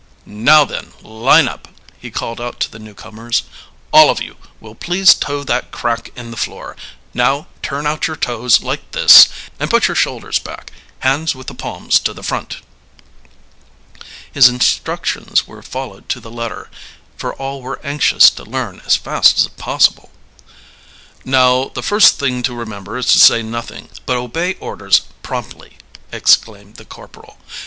"Now then, line up!" he called out to the newcomers. "All of you will please toe that crack in the floor; now turn out your toes like this, and put your shoulders back, hands with the palms to the front." His instructions were followed to the letter, for all were anxious to learn as fast as possible. "Now the first thing to remember is to say nothing, but obey orders promptly," exclaimed the corporal.